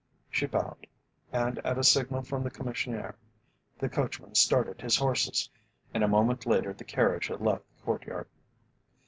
She bowed, and at a signal from the Commissionaire, the coachman started his horses, and a moment later the carriage had left the courtyard.